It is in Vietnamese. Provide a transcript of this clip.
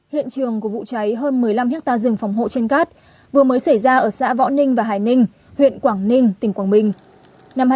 hiện trường của vụ cháy hơn một mươi năm hectare rừng phòng hộ trên cát vừa mới xảy ra ở xã võ ninh và hải ninh huyện quảng ninh tỉnh quảng bình